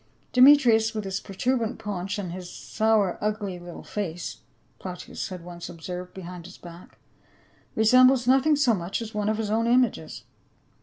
" Demetrius, with his protuberant paunch and his sour ugly little face "— Plautius had once observed behind his back —" resembles nothing so much as one of his own images."